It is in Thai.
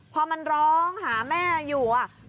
พอมันร้องหาแม่อยู่